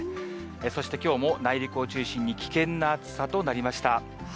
そしてきょうも内陸を中心に危険な暑さとなりました。